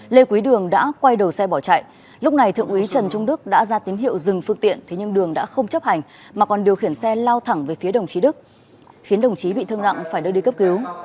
lê quý đường đã quay đầu xe bỏ chạy lúc này thượng úy trần trung đức đã ra tín hiệu dừng phương tiện thế nhưng đường đã không chấp hành mà còn điều khiển xe lao thẳng về phía đồng chí đức khiến đồng chí bị thương nặng phải đưa đi cấp cứu